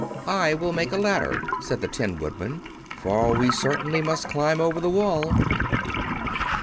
"I will make a ladder," said the Tin Woodman, "for we certainly must climb over the wall."